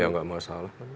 ya enggak masalah